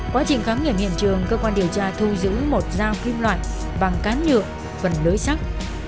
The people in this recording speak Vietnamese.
quá trình khám nghiệm hiện trường cơ quan điều tra thu giữ một dao kim loại bằng cán nhựa phần lưới sắt